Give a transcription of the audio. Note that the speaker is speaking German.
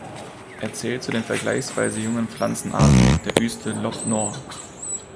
Er zählt zu den vergleichsweise jungen Pflanzenarten der Wüste Lop Nor.